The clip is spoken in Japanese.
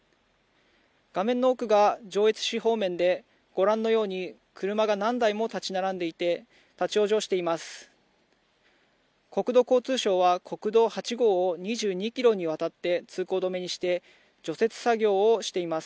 画面の奥が上越市方面で、ご覧のように車が何台も立ち並んでいて、立往生しています。